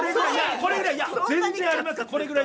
これぐらい全然あります。